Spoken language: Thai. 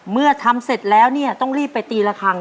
เมื่อทำเสร็จแล้วเนี่ยต้องรีบไปตีละครั้ง